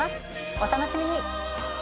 お楽しみに！